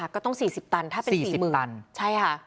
ก็ต้อง๔๐ตันถ้าเป็น๔๐๐๐ตันใช่ค่ะ